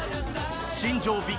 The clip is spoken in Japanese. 新庄